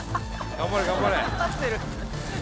頑張れ頑張れ！